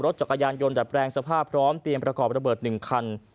จักรยานยนดัดแปลงสภาพพร้อมเตรียมประกอบระเบิด๑คัน